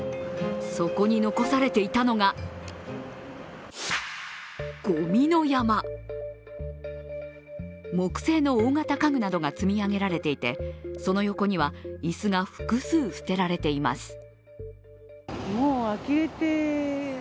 そこに残されていたのが、ごみの山木製の大型家具などが積み上げられていて、その横には、椅子が複数捨てられています。